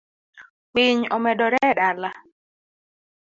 Winy omedore e dala.